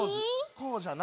こうじゃな。